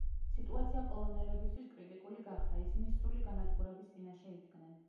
სიტუაცია პოლონელებისთვის კრიტიკული გახდა ისინი სრული განადგურების წინაშე იდგნენ.